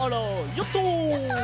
ヨット！